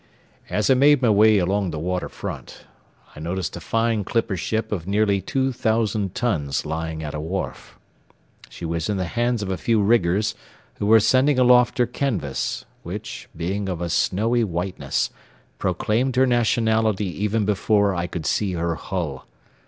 As I made my way along the water front, I noticed a fine clipper ship of nearly two thousand tons lying at a wharf. She was in the hands of a few riggers, who were sending aloft her canvas, which, being of a snowy whiteness, proclaimed her nationality even before I could see her hull.